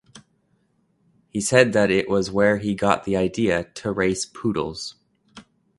He said that was where he got the idea to race poodles.